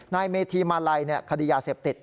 นายเมธีมาลัยคดียาเสพติด